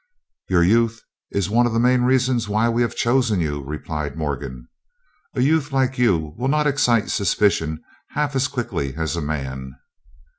"Your youth is one of the main reasons why we have chosen you," replied Morgan. "A youth like you will not excite suspicion half as quickly as a man."